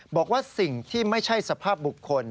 บอกว่าสิ่งที่ไม่ใช่สภาพบุคคล